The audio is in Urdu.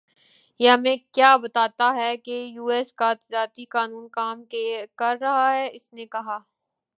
یہ ہمیں کِیا بتاتا ہے کہ یوایس کا تجارتی قانون کام کر رہا ہے اس نے کہا